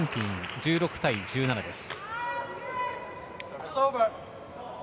１６対１７です。